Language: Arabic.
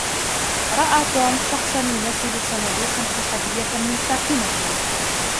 رأى توم شخصا ينزّل صناديقا خشبية من شاحنة.